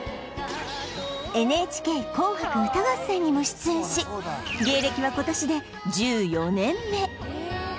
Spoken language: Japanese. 『ＮＨＫ 紅白歌合戦』にも出演し芸歴は今年で１４年目